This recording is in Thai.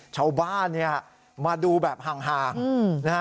ชาวบ้านมาดูแบบห่างนะฮะ